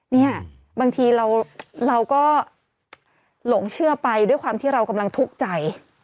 เนี่ยบางทีเราก็หลงเชื่อไปด้วยความที่เรากำลังทุกข์ใจ